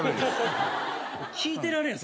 聞いてられん